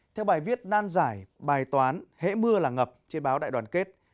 theo bài viết nan giải bài toán hễ mưa là ngập trên báo đại đoàn kết